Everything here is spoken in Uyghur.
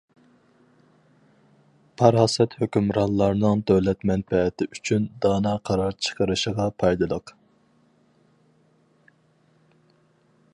پاراسەت ھۆكۈمرانلارنىڭ دۆلەت مەنپەئەتى ئۈچۈن دانا قارار چىقىرىشىغا پايدىلىق.